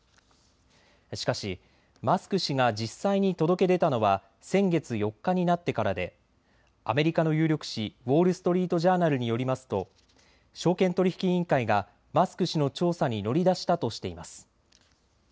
しかしマスク氏が実際に届け出たのは先月４日になってからでアメリカの有力紙、ウォール・ストリート・ジャーナルによりますと証券取引委員会がマスク氏の調査に乗り出したとしています。